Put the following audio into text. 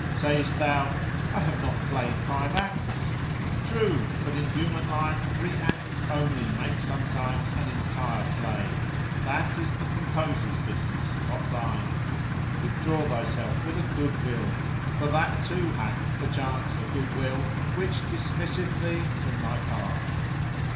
Sayest thou, 'I have not played five acts'? True! but in human life, three acts only make sometimes an entire play. That is the composer's business, not thine. Withdraw thyself with a good will; for that too hath, perchance, a good will which dismisseth thee from thy part."